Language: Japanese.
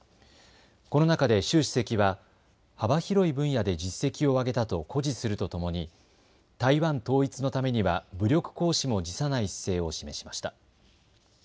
この中で習主席は幅広い分野で実績を挙げたと誇示するとともに台湾統一のためには武力行使も辞さない姿勢を示しました。